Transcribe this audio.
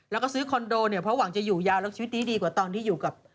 แล้วก็ซื้อคอนโดเนี่ยเพราะหวังจะอยู่ยาวแล้วชีวิตนี้ดีกว่าตอนที่อยู่กับ